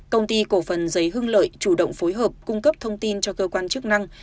công ty cổ phần giấy hưng lợi chủ động phối hợp cung cấp thông tin cho cơ quan chức năng